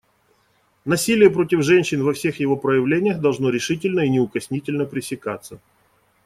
Насилие против женщин во всех его проявлениях должно решительно и неукоснительно пресекаться.